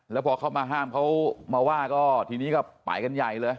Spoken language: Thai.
แล้วพอเข้ามาห้ามเขามาว่าก็ทีนี้ก็ไปกันใหญ่เลย